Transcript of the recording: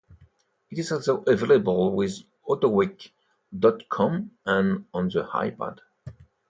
It is also available via autoweek dot com and on the iPad.